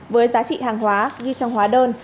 với giá trị hàng hóa ghi trong hóa đơn